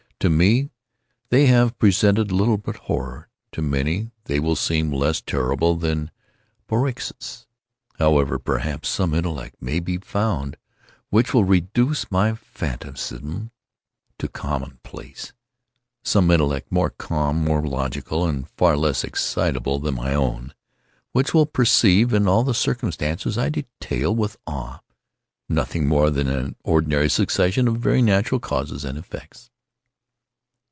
To me, they have presented little but horror—to many they will seem less terrible than barroques. Hereafter, perhaps, some intellect may be found which will reduce my phantasm to the common place—some intellect more calm, more logical, and far less excitable than my own, which will perceive, in the circumstances I detail with awe, nothing more than an ordinary succession of very natural causes and effects.